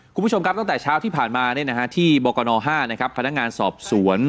คุณผู้ชมครับตั้งแต่เช้าที่ผ่านมาที่บกน๕พนักงานสอบสวน